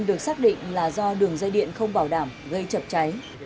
được xác định là do đường dây điện không bảo đảm gây chập cháy